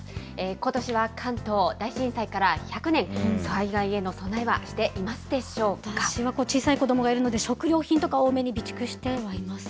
ことしは関東大震災から１００年、災害私は小さい子どもがいるので、食料品とか多めに備蓄してはいますね。